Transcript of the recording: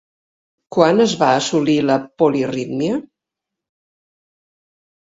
Quan es va assolir la polirítmia?